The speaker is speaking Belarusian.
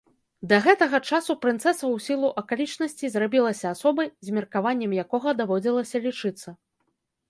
Да гэтага часу прынцэса ў сілу акалічнасцей зрабілася асобай, з меркаваннем якога даводзілася лічыцца.